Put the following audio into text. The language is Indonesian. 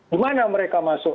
dimana mereka masuk